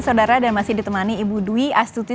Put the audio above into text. saudara dan masih ditemani ibu dwi astuti